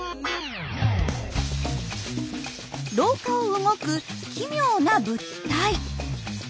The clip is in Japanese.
廊下を動く奇妙な物体。